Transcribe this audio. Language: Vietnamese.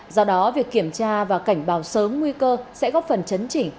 do đó việc kiểm tra và cảnh báo sớm nguy cơ sẽ góp phần chấn chỉ